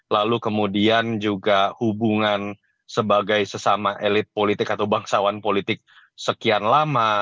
lalu kemudian juga hubungan sebagai sesama elit politik atau bangsawan politik sekian lama